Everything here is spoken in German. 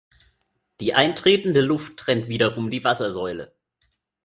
Die eintretende Luft trennt wiederum die Wassersäule.